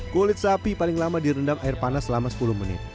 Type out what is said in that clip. kulit sapi paling lama direndam air panas selama sepuluh menit